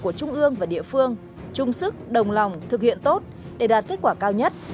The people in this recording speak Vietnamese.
của trung ương và địa phương chung sức đồng lòng thực hiện tốt để đạt kết quả cao nhất